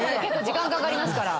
時間かかりますから。